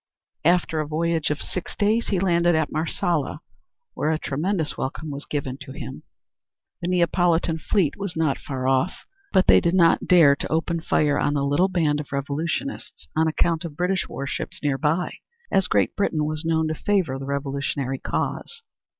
After a voyage of six days he landed at Marsala where a tremendous welcome was given to him. The Neapolitan fleet was not far off, but they did not dare to open fire on the little band of revolutionists on account of British warships nearby, as Great Britain was known to favor the revolutionary cause.